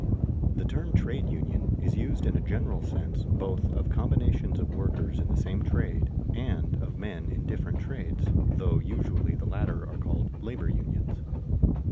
_ The term trade union is used in a general sense both of combinations of workers in the same trade, and of men in different trades, though usually the latter are called labor unions.